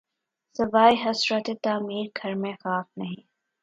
سواے حسرتِ تعمیر‘ گھر میں خاک نہیں